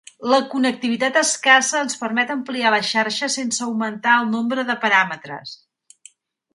La connectivitat escassa ens permet ampliar la xarxa sense augmentar el nombre de paràmetres.